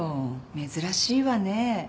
珍しいわね。